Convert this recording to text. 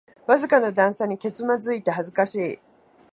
わずかな段差にけつまずいて恥ずかしい